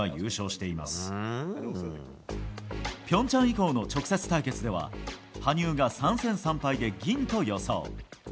平昌以降の直接対決では羽生が３戦３敗で銀と予想。